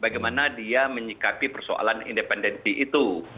bagaimana dia menyikapi persoalan independensi itu